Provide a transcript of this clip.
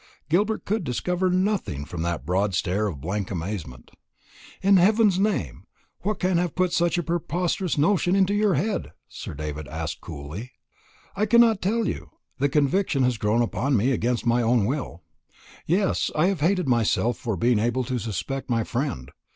Gilbert could discover nothing from that broad stare of blank amazement. "In heaven's name, what can have put such a preposterous notion into your head?" Sir David asked coolly. "I cannot tell you. The conviction has grown upon me, against my own will. Yes, I have hated myself for being able to suspect my friend.